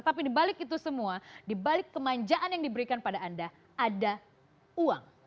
tapi di balik itu semua di balik kemanjaan yang diberikan pada anda ada uang